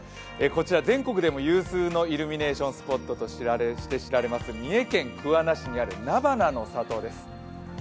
こちら全国でも有数のイルミネーションスポットとして知られる三重県桑名市にあるなばなの里です。